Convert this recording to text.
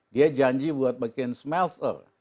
dia janji buat bikin smelter